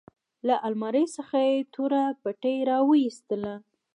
له المارۍ څخه يې توره پټۍ راوايستله.